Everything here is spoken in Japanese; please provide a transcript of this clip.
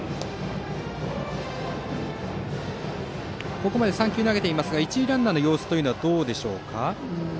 ここまで３球投げていますが一塁ランナーの様子というのはどうでしょうか。